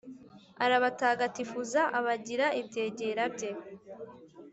arabatagatifuza, abagira ibyegera bye,